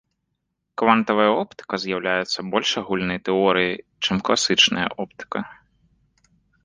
Квантавая оптыка з'яўляецца больш агульнай тэорыяй, чым класічная оптыка.